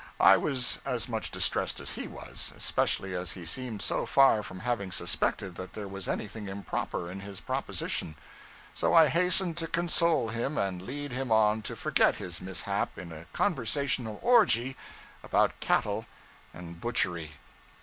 I was as much distressed as he was especially as he seemed so far from having suspected that there was anything improper in his proposition. So I hastened to console him and lead him on to forget his mishap in a conversational orgy about cattle and butchery.